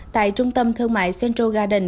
tại trung tâm thương mại central garden